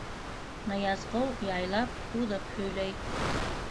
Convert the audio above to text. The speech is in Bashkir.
Ныязғол яйлап, һуҙып һөйләй: